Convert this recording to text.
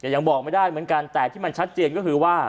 ยังบอกไม่ได้เหมือนกันแต่ที่มันชัดเจนก็คือว่า